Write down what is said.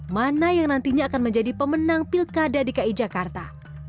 mana yang nantinya akan menjadi pemenang pilkada dki jakarta